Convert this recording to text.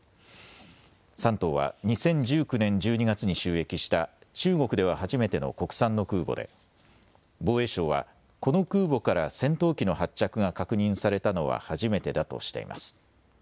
山東は２０１９年１２月に就役した中国では初めての国産の空母で防衛省はこの空母から戦闘機の発着が確認されたのは初めてだとしています。